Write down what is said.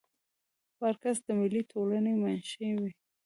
پارکس د ملي ټولنې منشي وه.